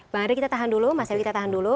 bang andre kita tahan dulu mas heri kita tahan dulu